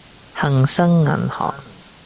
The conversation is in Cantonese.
恒生銀行